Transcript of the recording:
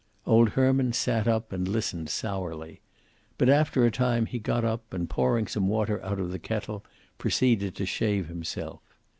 Old Herman sat up, and listened sourly. But after a time he got up and pouring some water out of the kettle, proceeded to shave himself.